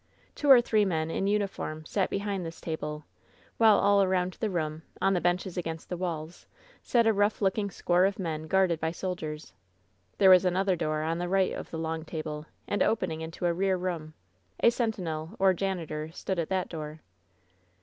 Two or three men in uniform sat behind this table, while all around the room, on the benches against the walls, sat a rough looking score of men guarded by soldiers. There was another door on the right of the long table, and opening into a rear room. A sentinel or janitor stood at that door.